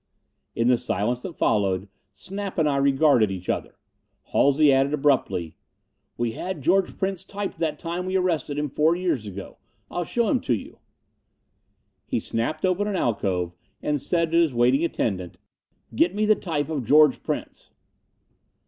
In the silence that followed, Snap and I regarded each other. Halsey added abruptly, "We had George Prince typed that time we arrested him four years ago. I'll show him to you." He snapped open an alcove, and said to his waiting attendant, "Get me the type of George Prince."